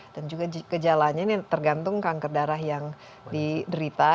dan juga kejalannya ini tergantung kanker darah yang diderita